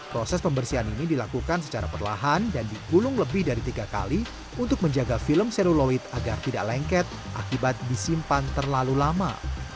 proses pembersihan ini dilakukan secara perlahan dan dikulung lebih dari tiga kali untuk menjaga film seluloid agar tidak lengket akibat disimpan terlalu lama